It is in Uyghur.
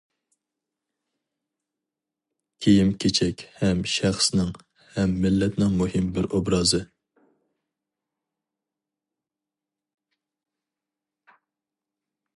كىيىم-كېچەك ھەم شەخسنىڭ ھەم مىللەتنىڭ مۇھىم بىر ئوبرازى.